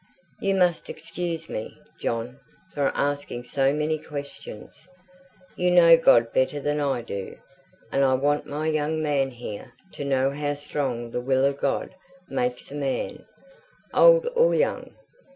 "You must excuse me, John, for asking so many questions. You know God better than I do, and I want my young man here to know how strong the will of God makes a man, old or young.